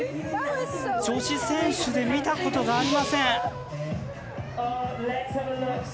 女子選手で見たことがありません。